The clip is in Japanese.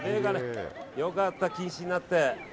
良かった近視になって。